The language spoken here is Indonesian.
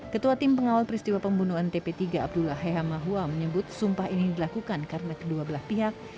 ketua tim pengawal peristiwa pembunuhan tp tiga abdullah hehamahua menyebut sumpah ini dilakukan karena kedua belah pihak